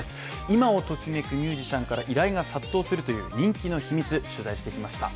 今をときめくミュージシャンから依頼が殺到するという人気の秘密、取材してきました。